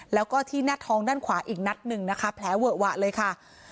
แล้วก็ที่หน้าท้องด้านขวาอีกนัดหนึ่งนะคะแผลเวอะวะเลยค่ะ